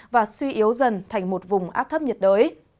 và suy yếu dần thành một vùng áp thấp nhiệt đới